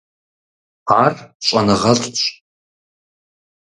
Ар щӏэныгъэлӏщ.